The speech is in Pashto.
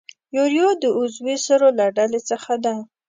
یوریا د عضوي سرو له ډلې څخه ده.